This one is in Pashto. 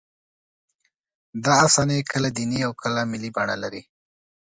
دا افسانې کله دیني او کله ملي بڼه لري.